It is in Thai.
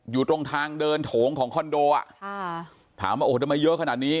อยู่ตรงทางเดินโถงของคอนโดอ่ะค่ะถามว่าโอ้โหทำไมเยอะขนาดนี้